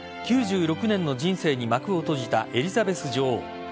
９６年の人生に幕を閉じたエリザベス女王。